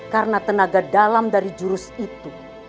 karena tenaga dalam dari jurus itu